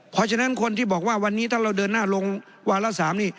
เพราะฉะนั้นคนที่บอกว่าวันนี้ถ้าเราเดินหน้าลงวาระ๓นี่